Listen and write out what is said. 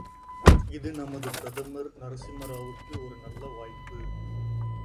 இது நமது பிரதமர் நரசிம்மராவுக்கு ஒரு நல்ல வாய்ப்பு.